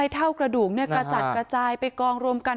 เท่ากระดูกกระจัดกระจายไปกองรวมกัน